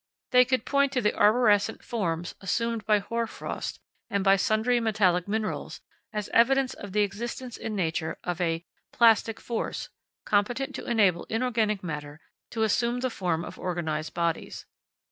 They could point to the arborescent forms assumed by hoar frost and by sundry metallic minerals as evidence of the existence in nature of a "plastic force" competent to enable inorganic matter to assume the form of organised bodies.